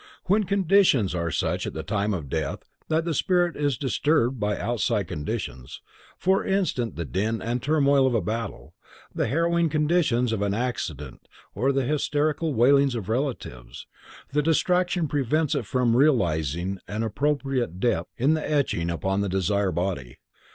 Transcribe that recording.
When conditions are such at the time of death that the spirit is disturbed by outside conditions, for instance the din and turmoil of a battle, the harrowing conditions of an accident or the hysterical wailings of relatives, the distraction prevents it from realizing an appropriate depth in the etching upon the desire body.